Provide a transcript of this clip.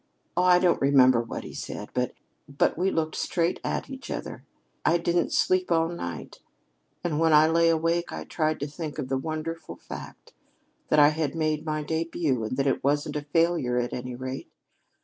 Oh, I don't remember what he said. But we looked straight at each other. I didn't sleep all night, and when I lay awake I tried to think of the wonderful fact that I had made my debut, and that it wasn't a failure, at any rate.